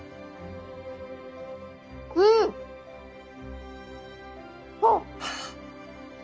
うん！あっ！